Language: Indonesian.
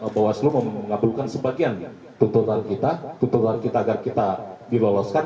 jadi mawaslu mengabulkan sebagian tuntutan kita tuntutan kita agar kita diloloskan